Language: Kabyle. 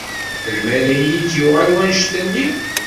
Melmi ara yi-d-yuɣal wannect-nni?